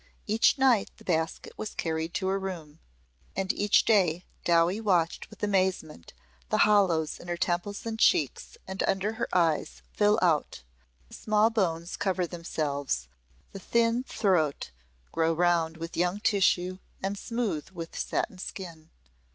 Each night the basket was carried to her room. And each day Dowie watched with amazement the hollows in her temples and cheeks and under her eyes fill out, the small bones cover themselves, the thinned throat grow round with young tissue and smooth with satin skin.